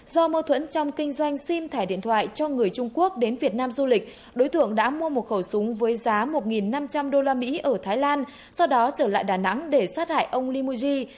do mâu thuẫn trong kinh doanh sim thẻ điện thoại cho người trung quốc đến việt nam du lịch đối tượng đã mua một khẩu súng với giá một năm trăm linh usd ở thái lan sau đó trở lại đà nẵng để sát hại ông limoji